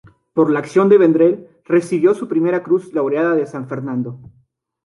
Por la acción de Vendrell recibió su primera Cruz Laureada de San Fernando.